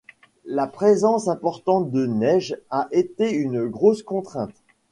La présence importante de neige a été une grosse contrainte.